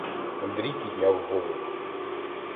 Андрій підняв голову: